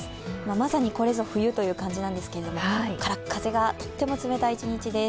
まさにこれぞ冬という感じなんですけど、空っ風がとても冷たい一日です。